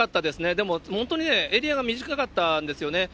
でも本当にね、エリアが短かったんですよね。